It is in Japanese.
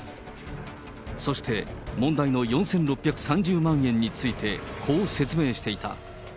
そして、問題の４６３０万円について、こう説明していた。